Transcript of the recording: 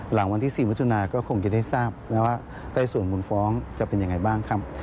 หลังวันที่๔มิถุนาก็คงจะได้ทราบแล้วว่าใต้ส่วนบุญฟ้องจะเป็นยังไงบ้างครับ